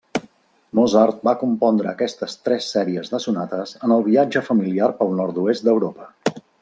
Mozart va compondre aquestes tres sèries de sonates en el viatge familiar pel nord-oest d'Europa.